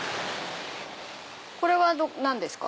これは何ですか？